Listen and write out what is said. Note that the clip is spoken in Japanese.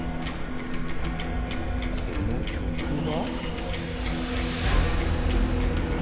この曲は？